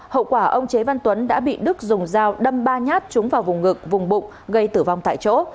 hậu quả ông chế văn tuấn đã bị đức dùng dao đâm ba nhát trúng vào vùng ngực vùng bụng gây tử vong tại chỗ